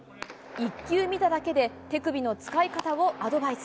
１球見ただけで手首の使い方をアドバイス。